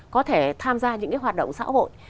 có thể tham gia những cái hoạt động xã hội